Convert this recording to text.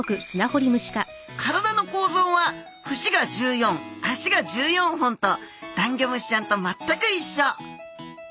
体の構造は節が１４脚が１４本とダンギョムシちゃんと全く一緒。